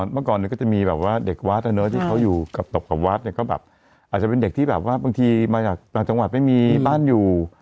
เมื่อก่อนก็จะมีแบบว่าเด็กวัดที่เขาอยู่กับตกกับวัดเนี่ยก็แบบอาจจะเป็นเด็กที่แบบว่าบางทีมาจากต่างจังหวัดไม่มีบ้านอยู่